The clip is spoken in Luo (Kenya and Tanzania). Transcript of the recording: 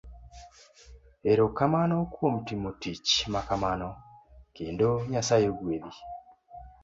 Ero kamano kuom timo tich makamano,, kendo Nyasaye ogwedhi.